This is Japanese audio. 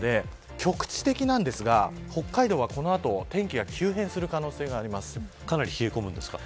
局地的ですが、北海道はこの後天気が急変する可能性がかなり冷え込むんですか。